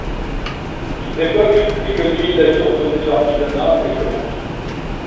À cette époque, l'économie de la ville reposait sur l'artisanat et le commerce.